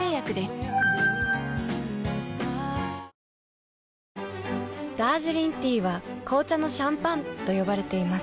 大空あおげダージリンティーは紅茶のシャンパンと呼ばれています。